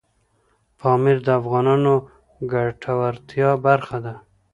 پامیر د افغانانو د ګټورتیا برخه ده.